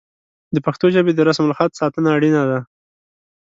د پښتو ژبې د رسم الخط ساتنه اړینه ده.